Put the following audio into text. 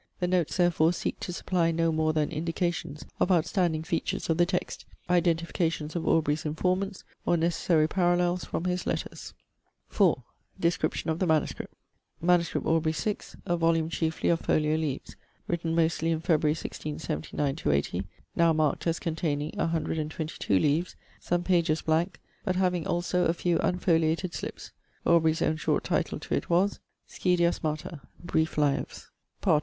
The notes therefore seek to supply no more than indications of outstanding features of the text, identifications of Aubrey's informants, or necessary parallels from his letters. IV. DESCRIPTION OF THE MSS. =MS. Aubr. 6=: a volume chiefly of folio leaves; written mostly in February 1679/80; now marked as containing 122 leaves (some pages blank), but having also a few unfoliated slips. Aubrey's own short title to it was: 'Σχεδιάσματα. Brief Lives, part i.